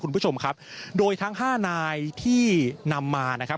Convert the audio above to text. คุณผู้ชมครับโดยทั้งห้านายที่นำมานะครับ